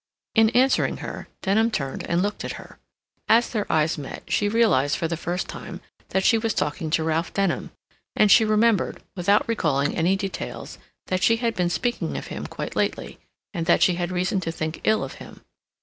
In answering her, Denham turned and looked at her. As their eyes met, she realized for the first time that she was talking to Ralph Denham, and she remembered, without recalling any details, that she had been speaking of him quite lately, and that she had reason to think ill of him.